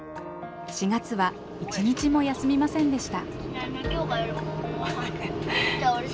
４月は一日も休みませんでした。